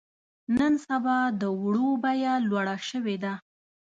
نن سبا د وړو بيه لوړه شوې ده.